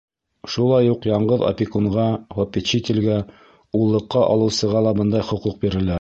Шулай уҡ яңғыҙ опекунға, попечителгә, уллыҡҡа алыусыға ла бындай хоҡуҡ бирелә.